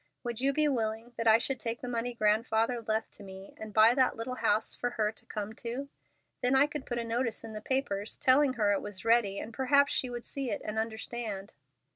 Would you be willing that I should take the money Grandfather left to me and buy that little house for her to come to? Then I could put a notice in the papers telling her it was ready, and perhaps she would see it and understand."